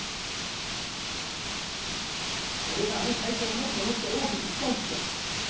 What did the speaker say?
俺があの会社をもっともっと大きくしたいって。